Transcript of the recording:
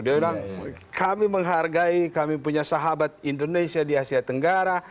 dia bilang kami menghargai kami punya sahabat indonesia di asia tenggara